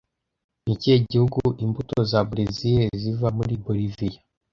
Ni ikihe gihugu imbuto za Berezile ziva muri Boliviya